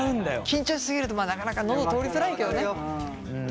緊張し過ぎるとなかなか喉通りづらいけどね。